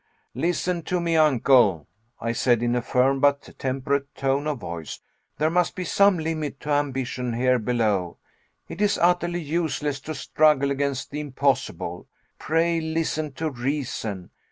"Listen to me, Uncle," I said, in a firm but temperate tone of voice, "there must be some limit to ambition here below. It is utterly useless to struggle against the impossible. Pray listen to reason.